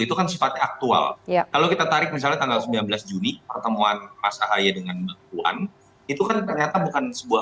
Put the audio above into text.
itu kan sifatnya aktual kalau kita tarik misalnya tanggal sembilan belas juni pertemuan mas ahaye dengan mbak puan itu kan ternyata bukan sebuah